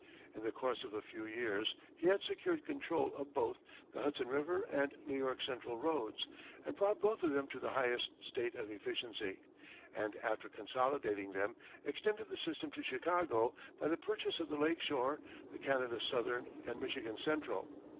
In the course of a few years he had secured control of both the Hudson River and New York Central roads, and brought both of them to the highest state of efficiency, and after consolidating them, extended the system to Chicago by the purchase of the Lake Shore, the Canada Southern and Michigan Central.